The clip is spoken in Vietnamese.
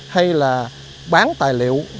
hay là bán tài liệu